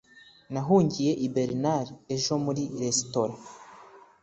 Nahungiye i Bernard ejo muri resitora.